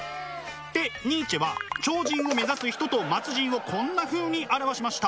でニーチェは超人を目指す人と末人をこんなふうに表しました。